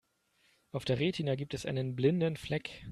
Auf der Retina gibt es einen blinden Fleck.